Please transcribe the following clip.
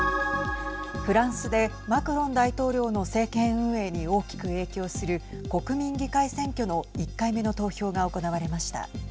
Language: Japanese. フランスでマクロン大統領の政権運営に大きく影響する国民議会選挙の１回目の投票が行われました。